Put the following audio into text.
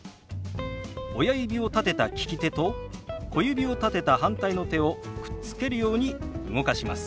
親指を立てた利き手と小指を立てた反対の手をくっつけるように動かします。